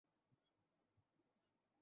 আরে মারা খেতে এসেছি আমরা!